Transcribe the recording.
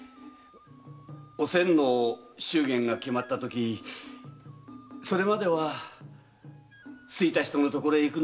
おせんの祝言が決まったときそれまでは「好いた人のところへいくのが一番だ」